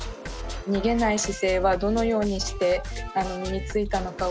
逃げない姿勢はどのようにして身についたのかを。